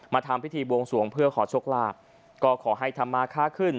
ทำพิธีบวงสวงเพื่อขอโชคลาภก็ขอให้ธรรมาค่าขึ้น